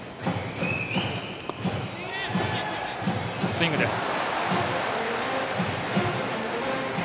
スイングです。